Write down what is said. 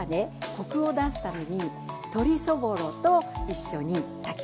コクを出すために鶏そぼろと一緒に炊き込みました。